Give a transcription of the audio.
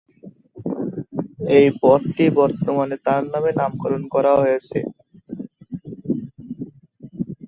এই পথটি বর্তমানে তাঁর নামে নামকরণ করা হয়েছে।